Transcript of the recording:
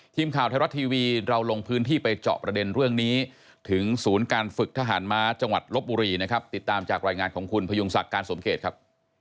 ทีมข่าวไทยรัฐทีวีเราลงพื้นที่ไปเจาะประเด็นเรื่องนี้ถึงศูนย์การฝึกทหารม้าจังหวัดลบบุรีนะครับติดตามจากรายงานของคุณพยุงศักดิ์การสมเกตครับ